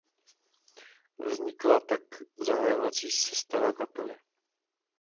Vznikla tak „zahajovací“ sestava kapely.